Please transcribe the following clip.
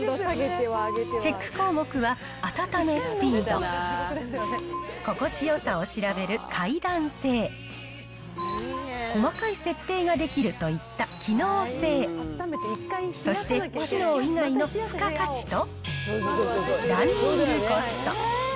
チェック項目は暖めスピード、心地よさを調べる快暖性、細かい設定ができるといった機能性、そして機能以外の付加価値と、ランニングコスト。